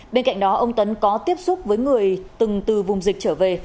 bên cạnh đó ông tấn có tiếp xúc với người từng từ vùng dịch trở về